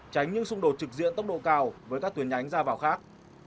tránh những xung đột trực diện tốc độ cao với các tuyến nhánh ra vào khác